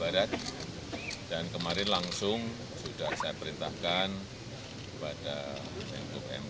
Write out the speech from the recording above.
dan kemarin langsung sudah saya perintahkan kepada tentuk mk